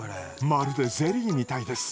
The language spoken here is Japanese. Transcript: まるでゼリーみたいです。